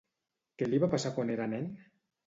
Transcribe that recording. Què li va passar quan era nen?